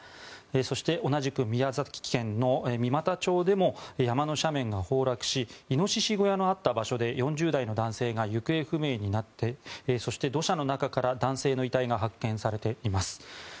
そして、同じく宮崎県の三股町でも山の斜面が崩落しイノシシ小屋のあった場所で４０代の男性が行方不明になってそして、土砂の中から男性の遺体が発見されています。